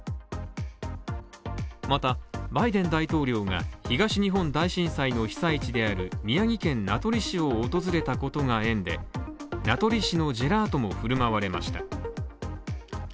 また、バイデン大統領が東日本大震災の被災地である宮城県名取市を訪れたことが縁で名取市のジェラートも振る舞われました。